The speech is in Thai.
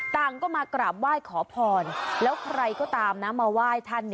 ต่างก็มากราบว่ายขอพรแล้วใครก็ตามมาว่ายท่าน